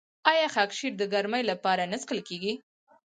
آیا خاکشیر د ګرمۍ لپاره نه څښل کیږي؟